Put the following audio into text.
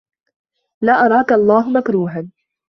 لَا أَرَاك اللَّهُ مَكْرُوهًا